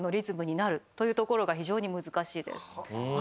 というところが非常に難しいです。